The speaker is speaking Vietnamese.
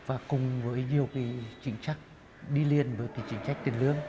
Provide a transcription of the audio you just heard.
và cùng với nhiều chính trách đi liền với chính trách tiền lương